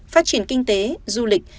phát triển kinh tế du lịch